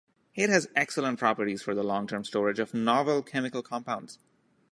It has excellent properties for the long-term storage of novel chemical compounds.